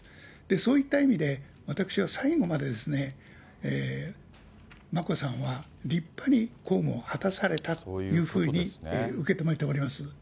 そういった意味で、私は最後までですね、眞子さんは立派に公務を果たされたというふうに受け止めております。